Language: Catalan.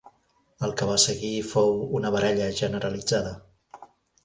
El que va seguir fou una baralla generalitzada.